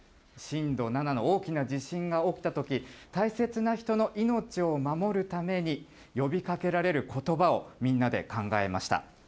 震度７の大きな地震が起きたとき、大切な人の命を守るために、呼びかけられることばを、みんなで考えました。